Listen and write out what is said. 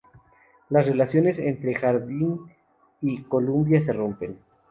Las relaciones entre Hardin y Columbia se rompen.